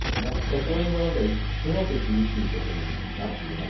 そういうものですごく厳しいことになっています。